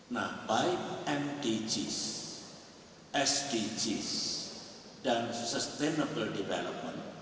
nah baik mdgs sdgs dan sustainable development